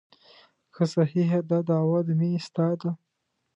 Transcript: که صحیحه دا دعوه د مینې ستا ده.